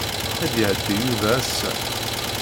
Ad d-iɛeddi Yuba ass-a.